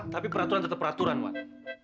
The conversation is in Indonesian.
tapi peraturan tetep peraturan wak